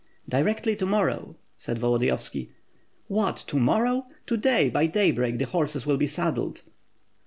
"Directly, to morrow!" said Volodiyovski. "What, to morrow! To day, by daybreak, the horses will be saddled."